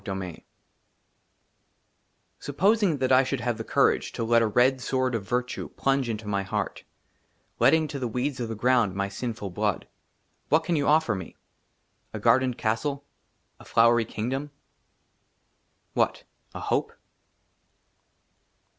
30 J XXX SUPPOSING THAT I SHOULD HAVE THE COURAGE TO LET A RED SWORD OF VIRTUE PLUNGE INTO MY HEART, LETTING TO THE WEEDS OF THE GROUND MY SINFUL BLOOD, WHAT CAN YOU OFFER ME ? A GARDENED CASTLE ? A FLOWERY KINGDOM ? WHAT ? A HOPE